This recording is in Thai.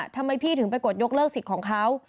ทำไมพี่ถึงไปกดยกเลิกสิทธิ์ของเขา